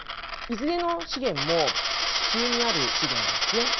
いずれの資源も地中にある資源なんですね。